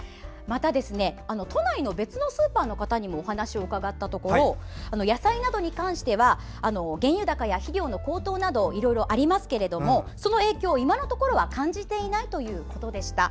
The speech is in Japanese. また都内の別のスーパーの方にもお話を伺ったところ野菜などに関しては原油高や肥料の高騰などいろいろありますけれどもその影響は今のところ感じていないということでした。